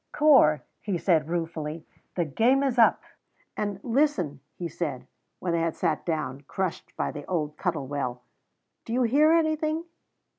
"Corp," he said ruefully, "the game is up!" And "Listen," he said, when they had sat down, crushed, by the old Cuttle Well, "do you hear anything?"